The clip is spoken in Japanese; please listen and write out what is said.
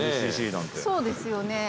そうですよね。